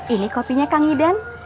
ini kopinya kang idan